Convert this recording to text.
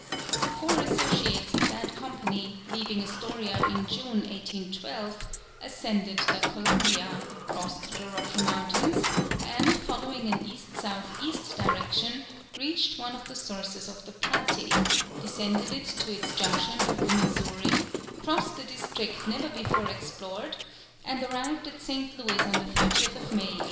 Four associates of that company, leaving Astoria in June, 1812, ascended the Columbia, crossed the Rocky Mountains, and following an east south east direction, reached one of the sources of the Platte, descended it to its junction with the Missouri, crossed a district never before explored, and arrived at St. Louis on the 30th May, 1813.